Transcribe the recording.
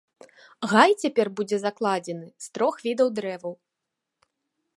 Гай цяпер будзе закладзены з трох відаў дрэваў.